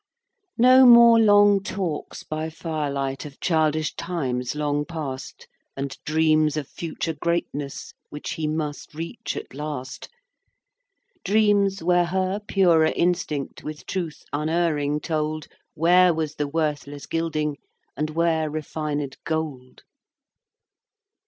IX. No more long talks by firelight Of childish times long past, And dreams of future greatness Which he must reach at last; Dreams, where her purer instinct With truth unerring told Where was the worthless gilding, And where refinèd gold.